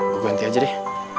gue ganti aja deh